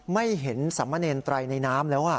ไม่เห็นสามเณรไตรในน้ำแล้ว